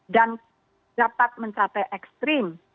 dan dapat mencapai ekstrim